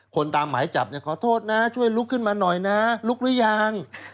ตามหมายจับขอโทษนะช่วยลุกขึ้นมาหน่อยนะลุกหรือยัง